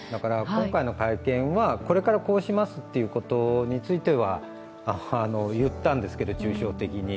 今回の会見は、これからこうしますということについては言ったんですけど、抽象的に。